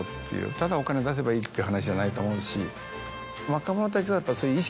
ただお金出せばいいっていう話じゃないと思うし。